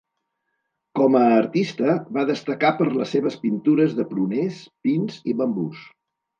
Com a artista va destacar per les seves pintures de pruners, pins i bambús.